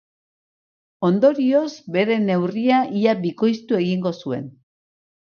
Ondorioz, bere neurria ia bikoiztu egingo zuen.